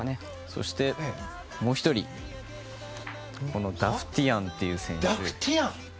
そして、もう１人ダフティアンという選手。